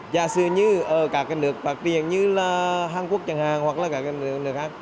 giả sử như ở các nước phát triển như là hàn quốc chẳng hạn hoặc là các nước khác